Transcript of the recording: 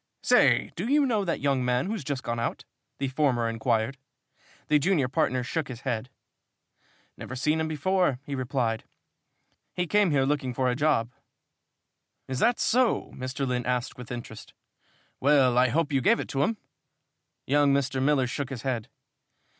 "Say, do you know that young man who's just gone out?" the former inquired. The junior partner shook his head. "Never seen him before," he replied. "He came here looking for a job." "Is that so?" Mr. Lynn asked with interest. "Well, I hope you gave it to him?" Young Mr. Miller shook his head.